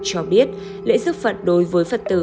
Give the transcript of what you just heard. cho biết lễ giúp phật đối với phật tử